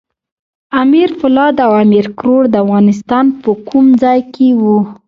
امیر پولاد او امیر کروړ د افغانستان په کوم ځای کې وو؟